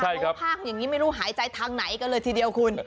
เพราะว่าภาคอย่างนี้ไม่รู้หายใจทางไหนกันเลยทีเดียวคุณ